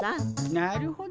なるほど。